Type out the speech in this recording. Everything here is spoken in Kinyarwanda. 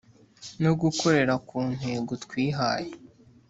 no gukorera ku ntego twihaye